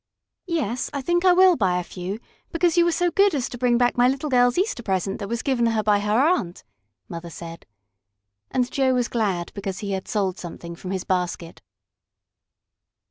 "Yes, I think I will buy a few, because you were so good as to bring back my little girl's Easter present that was given her by her aunt," Mother said. And Joe was glad because he had sold something from his basket.